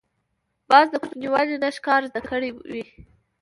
باز د کوچنیوالي نه ښکار زده کړی وي